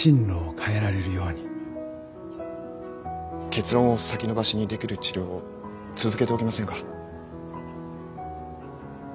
結論を先延ばしにできる治療を続けておきませんか？